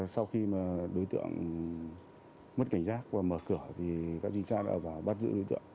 sau khi mà đối tượng mất cảnh giác và mở cửa thì các trinh sát đã ập vào bắt giữ đối tượng